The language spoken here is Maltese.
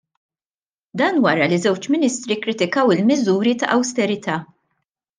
Dan wara li żewġ ministri kkritikaw l-miżuri ta' awsterita'.